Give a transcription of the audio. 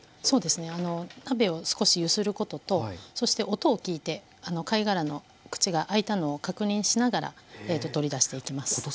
そうですね鍋を少し揺することとそして音を聞いて貝殻の口が開いたのを確認しながら取り出していきます。